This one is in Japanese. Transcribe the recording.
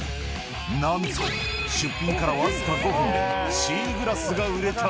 なんと、出品から僅か５分でシーグラスが売れた。